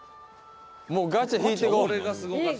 もうガチャ引いて行こう。